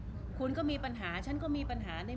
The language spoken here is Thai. รูปนั้นผมก็เป็นคนถ่ายเองเคลียร์กับเรา